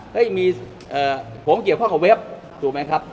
เฮ้ยผมเกี่ยวกับเว็บถูกไหมครับ